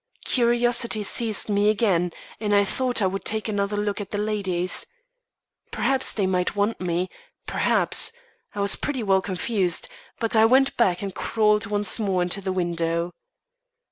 Curiosity seized me again, and I thought I would take another look at the ladies perhaps they might want me perhaps I was pretty well confused, but I went back and crawled once more into the window.